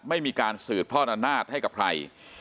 ไม่มีการสืบพรณนาศให้กับใคร